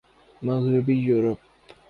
مغربی یورپ